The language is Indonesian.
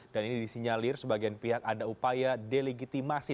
dan ini disinyalir sebagian pihak ada upaya delegitimasi